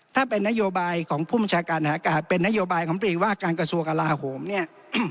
ถ้าเป็นนโยบายของผู้บัญชาการอากาศเป็นนโยบายของปรีว่าการกระทรวงกลาโหมเนี่ย